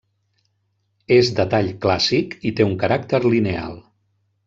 És de tall clàssic i té un caràcter lineal.